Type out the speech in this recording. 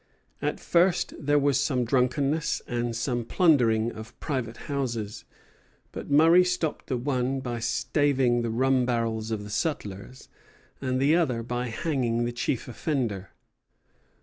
At first there was some drunkenness and some plundering of private houses; but Murray stopped the one by staving the rum barrels of the sutlers, and the other by hanging the chief offender.